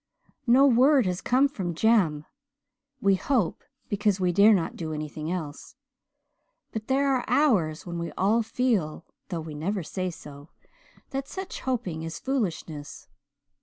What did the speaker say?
"No word has come from Jem. We hope because we dare not do anything else. But there are hours when we all feel though we never say so that such hoping is foolishness.